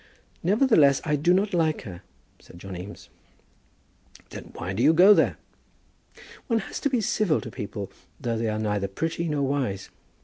"Nevertheless, I do not like her," said John Eames. "Then why do you go there?" "One has to be civil to people though they are neither pretty nor wise.